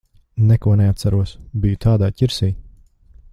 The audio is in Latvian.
Neko neatceros. Biju tādā ķirsī.